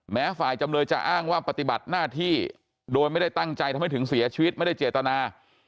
แม้ฝ่ายจำเลยจะอ้างว่าปฏิบัติหน้าที่โดยไม่ได้ตั้งใจทำให้ถึงเสียชีวิตไม่ได้เจตนา